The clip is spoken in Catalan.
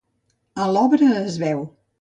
A l'obra es veu.